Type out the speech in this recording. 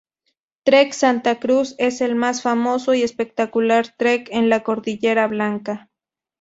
Trek Santa Cruz, es el más famoso y espectacular trek en la Cordillera Blanca.